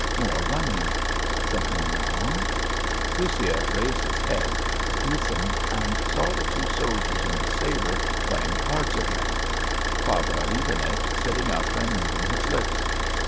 More running. Something wrong? Goussiev raised his head, listened and saw the two soldiers and the sailor playing cards again; Pavel Ivanich sitting up and moving his lips.